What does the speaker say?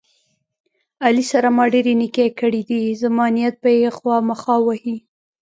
علي سره ما ډېرې نیکۍ کړې دي، زما نیت به یې خواخما وهي.